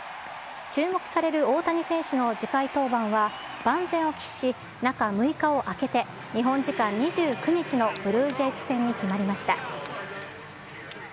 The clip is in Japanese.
注目される大谷選手の次回登板は、万全を期し、中６日を空けて、日本時間２９日のブルージェイズ戦に決まりました。